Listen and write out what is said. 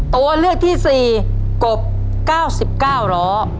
ตัวเลือกที่๔กบ๙๙ล้อ